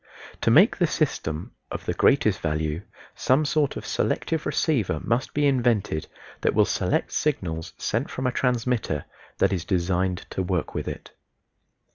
To make the system of the greatest value some sort of selective receiver must be invented that will select signals sent from a transmitter that is designed to work with it.